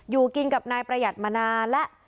อยู่กินกับนายประหยัดมานานแล้ว